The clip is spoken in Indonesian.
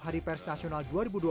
hari pers nasional dua ribu dua puluh